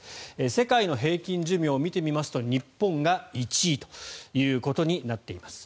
世界の平均寿命を見てみますと日本が１位となっています。